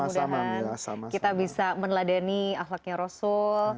mudah mudahan kita bisa meneladani ahlaknya rasul